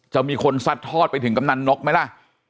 จะมีคนซัดทอดไปถึงกำนันนกไหมล่ะ